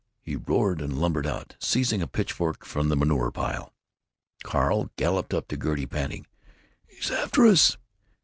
he roared, and lumbered out, seizing a pitchfork from the manure pile. Carl galloped up to Gertie, panting, "He's after us!"